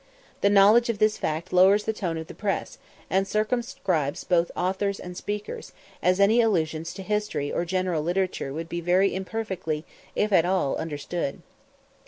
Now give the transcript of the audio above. The knowledge of this fact lowers the tone of the press, and circumscribes both authors and speakers, as any allusions to history or general literature would be very imperfectly, if at all, understood.